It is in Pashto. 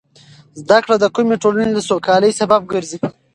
زده کړه د کومې ټولنې د سوکالۍ سبب ګرځي.